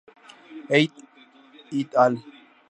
Ey "et al.